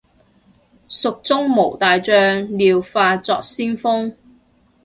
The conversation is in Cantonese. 蜀中無大將，廖化作先鋒